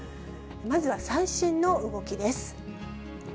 まずは最新の動きです。